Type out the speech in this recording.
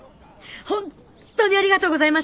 ホンットにありがとうございました！